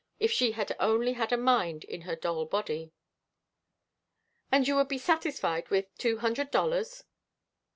If she had only had a mind in her doll body. "And you would be satisfied with two hundred dollars?"